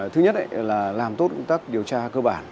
thứ nhất là làm tốt công tác điều tra cơ bản